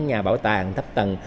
nhà bảo tàng thấp tầng